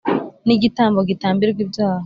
n igitambo gitambirwa ibyaha